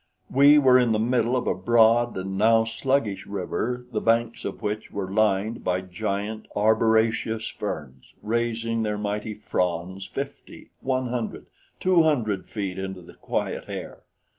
We were in the middle of a broad and now sluggish river the banks of which were lined by giant, arboraceous ferns, raising their mighty fronds fifty, one hundred, two hundred feet into the quiet air.